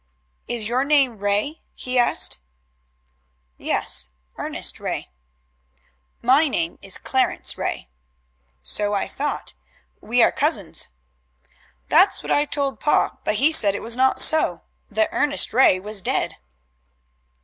"Is your name Ray?" he asked. "Yes, Ernest Ray." "My name is Clarence Ray." "So I thought. We are cousins." "That's what I told pa, but he said it was not so that Ernest Ray was dead."